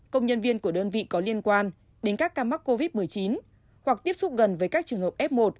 công nhân viên của đơn vị có liên quan đến các ca mắc covid một mươi chín hoặc tiếp xúc gần với các trường hợp f một